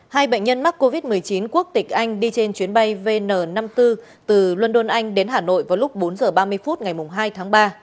hai bệnh nhân mắc covid một mươi chín quốc tịch anh đi trên chuyến bay vn năm mươi bốn từ london anh đến hà nội vào lúc bốn h ba mươi phút ngày hai tháng ba